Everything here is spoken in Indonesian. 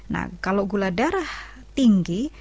nah kalau gula darah tinggi